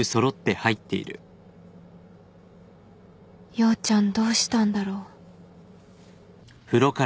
陽ちゃんどうしたんだろう